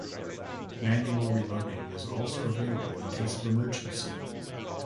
Manual reloading is also available in case of emergency.